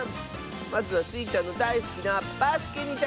まずはスイちゃんのだいすきなバスケにチャレンジ！